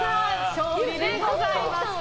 勝利でございました。